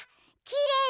きれい！